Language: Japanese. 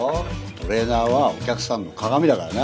トレーナーはお客さんの鑑だからな。